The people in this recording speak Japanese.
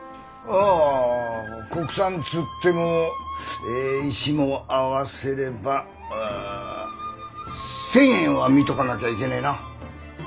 あ国産っつってもえ石も合わせればう１，０００円は見とかなきゃいけねえな。